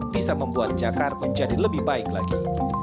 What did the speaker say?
bisa membuat jakarta menjadi lebih baik lagi